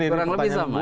kurang lebih sama